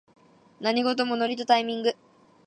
何事もノリとタイミング